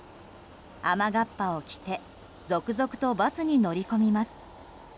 雨がっぱを着て続々とバスに乗り込みます。